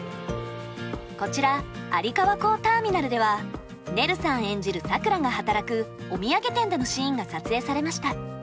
こちら有川港ターミナルではねるさん演じるさくらが働くお土産店でのシーンが撮影されました。